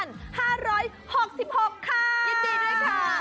ยินดีด้วยค่ะ